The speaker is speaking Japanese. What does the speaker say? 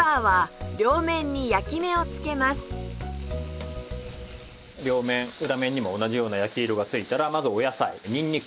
レバーは両面裏面にも同じような焼き色がついたらまずお野菜にんにく。